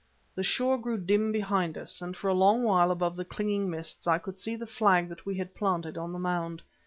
The shore grew dim behind us, but for a long while above the clinging mists I could see the flag that we had planted on the mound.